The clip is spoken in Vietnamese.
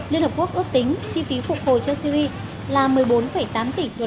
liên hợp quốc ước tính chi phí phục hồi cho syri là một mươi bốn tám tỷ người